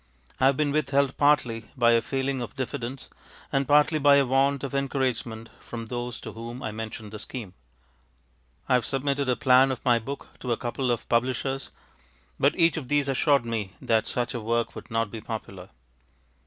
I have been withheld partly by a feeling of diffidence and partly by a want of encouragement from those to whom I mentioned the scheme. I have submitted a plan of my book to a couple of publishers, but each of these assured me that such a work would not be popular.